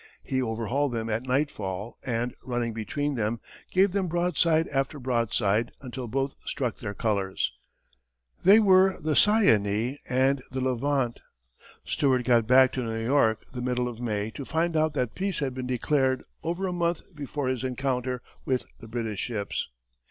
He overhauled them at nightfall, and, running between them, gave them broadside after broadside, until both struck their colors. They were the Cyane and the Levant. Stewart got back to New York the middle of May to find out that peace had been declared over a month before his encounter with the British ships.